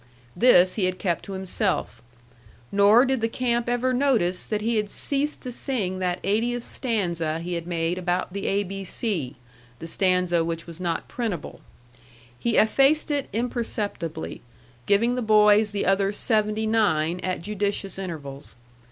This he had kept to himself; nor did the camp ever notice that he had ceased to sing that eightieth stanza he had made about the A B C the stanza which was not printable. He effaced it imperceptibly, giving the boys the other seventy nine at judicious intervals.